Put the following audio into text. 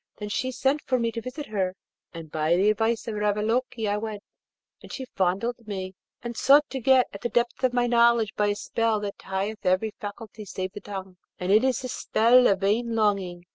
Then she sent for me to visit her, and by the advice of Ravaloke I went, and she fondled me, and sought to get at the depth of my knowledge by a spell that tieth every faculty save the tongue, and it is the spell of vain longing.